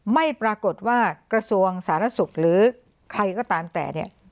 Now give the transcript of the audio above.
ไม่ปรากฏว่ากระทรวงสาธารณสุขหรือใครก็ตามแต่เนี่ย